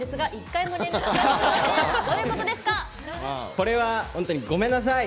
これは、本当にごめんなさい。